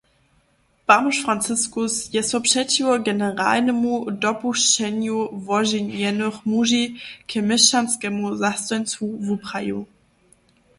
Bamž Franziskus je so přećiwo generelnemu dopušćenju woženjenych muži k měšniskemu zastojnstwu wuprajił.